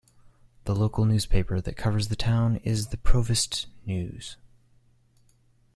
The local newspaper that covers the town is "The Provost News".